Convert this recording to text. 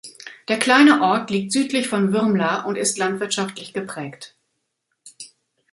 Der kleine Ort liegt südlich von Würmla und ist landwirtschaftlich geprägt.